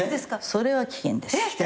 それは危険です。